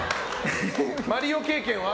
「マリオ」経験は？